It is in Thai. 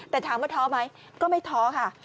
แต่ถามว่าท้อไหมก็ไม่ท้อค่ะ